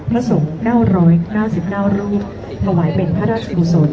พระสมก้าวร้อยเก้าสิบเก้ารูปทวายเป็นพระราชกุศล